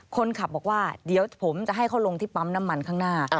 คนขับบอกว่าเดี๋ยวผมจะให้เขาลงที่ปั๊มน้ำมันข้างหน้า